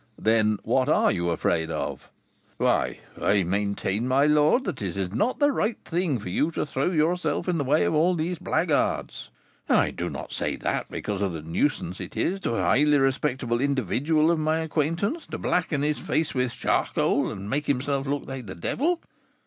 "Then what are you afraid of?" "Why, I maintain, my lord, that it is not the right thing for you to throw yourself in the way of all these blackguards. I do not say that because of the nuisance it is to a highly respectable individual of my acquaintance to blacken his face with charcoal, and make himself look like a devil.